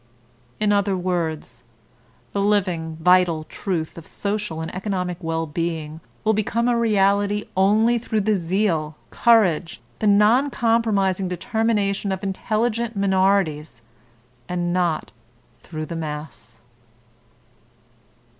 In other words, the living, vital truth of social and economic well being will become a reality only through the zeal, courage, the non compromising determination of intelligent minorities, and not through the mass.